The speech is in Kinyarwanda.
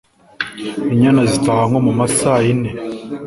Inyana zitaha nko mu masaa yine